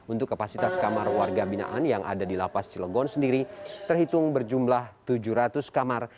untuk kapasitas kamar warga binaan yang ada di lapas cilegon sendiri terhitung berjumlah tujuh ratus kamar